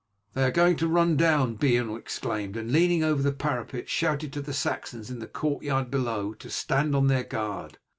"They are going to run down," Beorn exclaimed, and leaning over the parapet shouted to the Saxons in the courtyard below to stand on their guard.